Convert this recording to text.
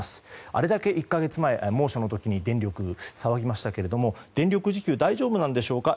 あれだけ１か月前、猛暑の時に電力について騒ぎましたが電力需給大丈夫なんでしょうか。